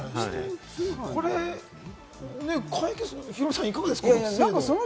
これね、ヒロミさん、いかがですか？